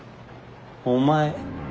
お前。